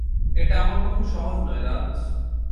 এটা আমার পক্ষে সহজ নয়, রাজ।